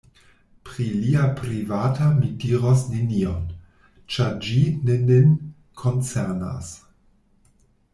Pri lia privata mi diros nenion; ĉar ĝi ne nin koncernas.